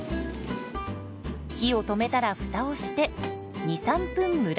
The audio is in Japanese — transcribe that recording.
火を止めたらフタをして２３分蒸らします。